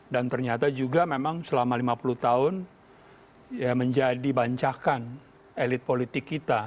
dan ternyata juga memang selama lima puluh tahun menjadi bancakan elit politik kita